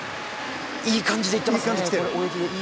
いい感じでいってます。